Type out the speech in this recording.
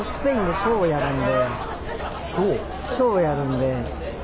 ショーをやるんで。